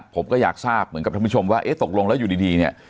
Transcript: ผมก็อยากทราบเหมือนกับท่านผู้ชมว่าเอ๊ะตกลงแล้วอยู่ดีเนี่ย